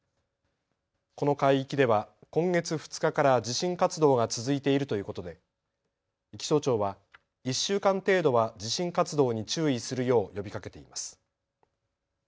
この海域では今月２日から地震活動が続いているということで気象庁は１週間程度は地震活動に注意するよう呼びかけています。